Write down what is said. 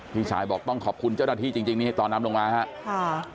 พี่ชายบอกต้องขอบคุณเจ้าหน้าที่จริงนี่ตอนนำลงมาครับ